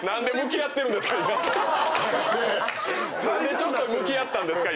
何でちょっと向き合ったんですか？